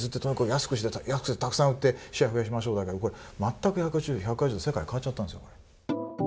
安くして、たくさん売ってシェア増やしましょうだけどこれ全く１８０度世界変わっちゃったんですよね。